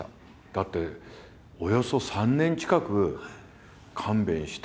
だっておよそ３年近く「勘弁して」って。